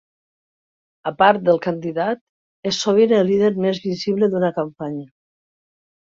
A part del candidat, és sovint el líder més visible d'una campanya.